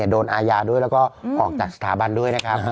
โดนอาญาด้วยแล้วก็ออกจากสถาบันด้วยนะครับ